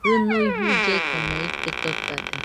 Jɨnui jullekomo ite totade